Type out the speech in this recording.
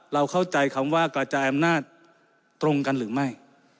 เราเข้าใจคำว่ากระจายอำนาจตรงกันหรือไม่